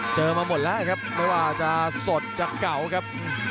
มาหมดแล้วครับไม่ว่าจะสดจะเก่าครับ